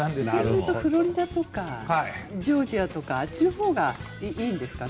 夏だとフロリダとかジョージアとかあっちのほうがいいんですかね？